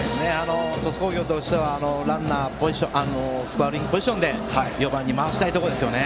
鳥栖工業としてはランナーをスコアリングポジションで４番に回したいですね。